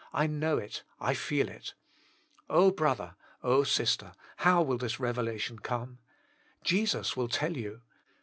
I know it, I feel it." Oh I brother, oh! sister, how will this reve lation come? Jesus will tell you.